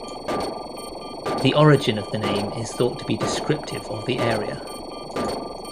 The origin of the name is thought to be descriptive of the area.